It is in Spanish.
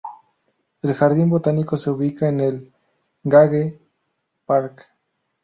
El jardín botánico se ubica en el "Gage Park".